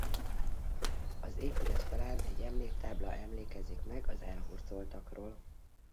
Az épület falán egy emléktábla emlékezik meg az elhurcoltakról.